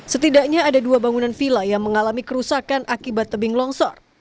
setidaknya ada dua bangunan villa yang mengalami kerusakan akibat tebing longsor